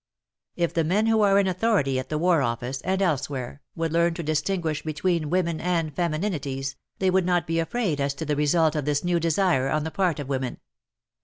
If the men who are in authority at the War Ofifice, and elsewhere, would learn to distinguish between women and femininities, they would not be afraid as to the result of this new desire on the part of women.